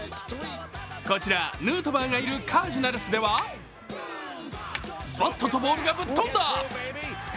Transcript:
こちらヌートバーがいるカージナルスではバットとボールがぶっとんだ！